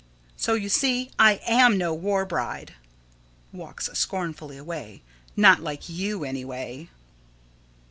So, you see, I am no war bride. [Walks scornfully away.] Not like you, anyway.